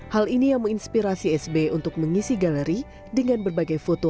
hal ini yang menginspirasi sby untuk mengisi galeri dengan berbagai foto